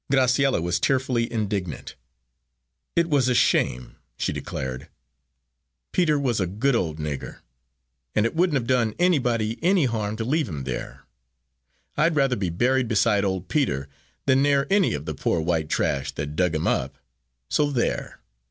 Graciella was tearfully indignant. "It was a shame!" she declared. "Peter was a good old nigger, and it wouldn't have done anybody any harm to leave him there. I'd rather be buried beside old Peter than near any of the poor white trash that dug him up so there!